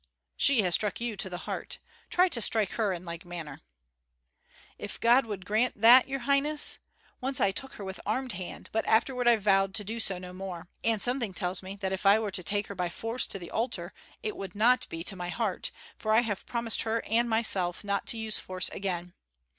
"She has struck you to the heart. Try to strike her in like manner." "If God would grant that, your highness! Once I took her with armed hand, but afterward I vowed to do so no more. And something tells me that were I to take her by force to the altar it would not be to my heart, for I have promised her and myself not to use force again.